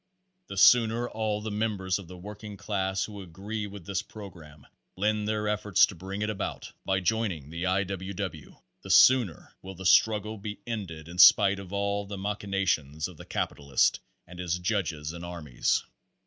The sooner all the members of the working class who agree with this program lend their efforts to bring it about by joining the I. W. W. the sooner will the struggle be ended in spite of all the machinations of the capitalist and his judges and armies.